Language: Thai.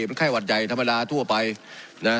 มันค่ายหวัดใยธรรมดาทั่วไปนะ